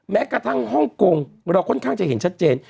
แม้กระทั่งฮ่องกงเราค่อนข้างจะเห็นชัดเจน